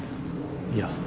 いや。